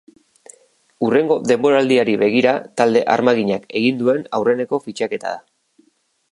Hurrengo denboraldiari begira talde armaginak egin duen aurreneko fitxaketa da.